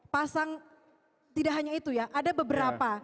pasang tidak hanya itu ya ada beberapa